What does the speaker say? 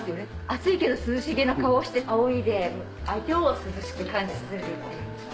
暑いけど涼しげな顔をしてあおいで相手を涼しく感じさせるっていう。